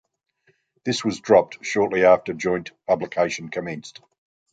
This was dropped shortly after joint publication commenced.